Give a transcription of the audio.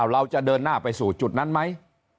เราจะเดินหน้าไปสู่จุดนั้นไหม